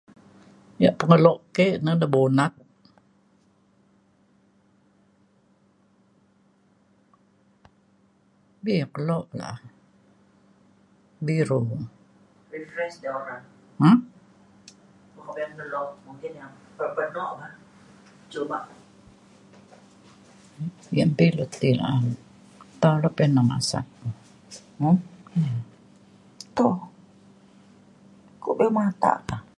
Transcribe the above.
yak pengelo ke na na bonut.